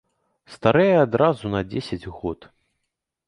Старэе адразу на дзесяць год.